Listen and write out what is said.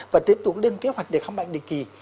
và tiếp tục lên kế hoạch để khám bệnh định kỳ